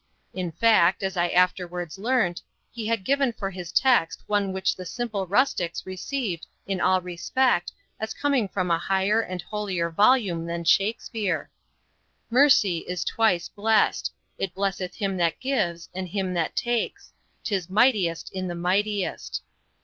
In fact, as I afterwards learnt, he had given for his text one which the simple rustics received in all respect, as coming from a higher and holier volume than Shakspeare "Mercy is twice blessed: It blesseth him that gives and him that takes. 'Tis mightiest in the mightiest."